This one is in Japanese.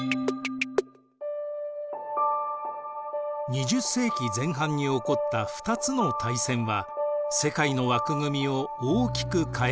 ２０世紀前半に起こった２つの大戦は世界の枠組みを大きく変えました。